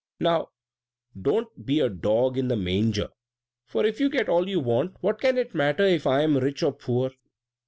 Now, don't be a dog in the manger, for if you get all you want, what can it matter to you if I am rich or poor?"